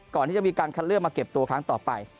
ก่อนที่จะมีการคัดเลือกมาเก็บตัวครั้งต่อไป